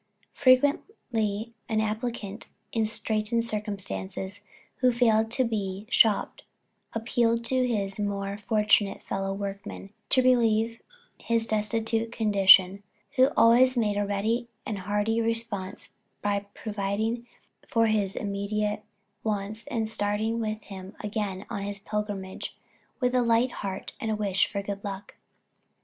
Frequently an applicant in straitened circumstances who failed to be "shopped," appealed to his more fortunate fellow workmen to relieve his destitute condition, who always made a ready and hearty response by providing for his immediate wants and starting him again on his pilgrimage with a light heart and a wish for good luck.